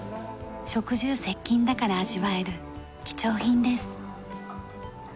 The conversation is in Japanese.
職住接近だから味わえる貴重品です。